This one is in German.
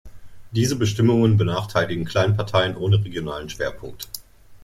Diese Bestimmungen benachteiligten Kleinparteien ohne regionalen Schwerpunkt.